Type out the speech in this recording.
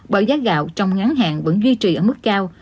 bởi giá gạo trong ngắn hạn vẫn duy trì ở mức cao